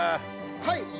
はい。